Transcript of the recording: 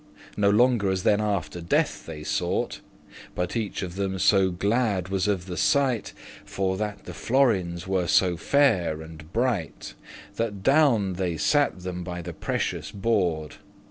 No longer as then after Death they sought; But each of them so glad was of the sight, For that the florins were so fair and bright, That down they sat them by the precious hoard.